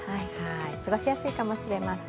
過ごしやすいかもしれません。